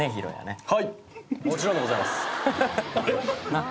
なっ？